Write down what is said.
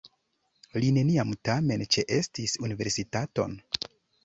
Li neniam, tamen, ĉeestis universitaton.